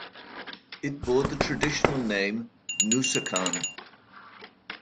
It bore the traditional name "Nusakan".